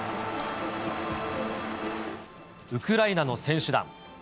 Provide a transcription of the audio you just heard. ウクライナの選手団。